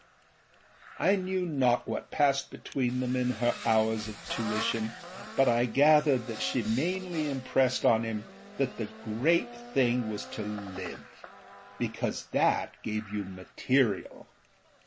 I knew not what passed between them in her hours of tuition, but I gathered that she mainly impressed on him that the great thing was to live, because that gave you material.